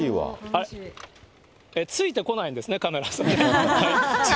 ついてこないんですね、カメラさんね。